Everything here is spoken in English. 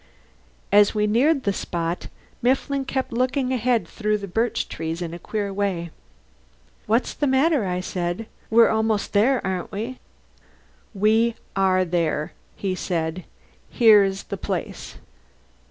As we neared the spot Mifflin kept looking ahead through the birch trees in a queer way. "What's the matter?" I said. "We're almost there, aren't we?" "We are there," he said. "Here's the place."